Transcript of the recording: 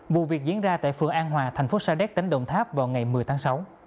vụ việc diễn ra tại phường an hòa thành phố sa đéc tỉnh đồng tháp vào ngày một mươi tháng sáu